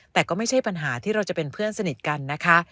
แต่ก็ไม่ใช่ปัญหาที่เราจะเป็นเพื่อนสนิทกันนะคะ